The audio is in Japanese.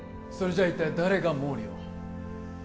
それじゃ一体誰が毛利を？